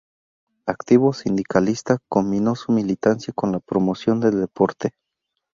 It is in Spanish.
Activo sindicalista, combinó su militancia con la promoción del deporte.